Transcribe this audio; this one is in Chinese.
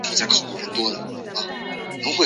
涩荠为十字花科涩荠属下的一个种。